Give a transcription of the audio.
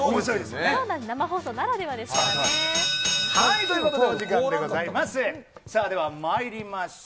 生放送ならではですからね。ということでお時間でございます。